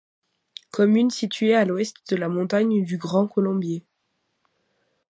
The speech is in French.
Commune située à l'ouest de la montagne du Grand Colombier.